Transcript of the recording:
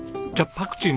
パクチー。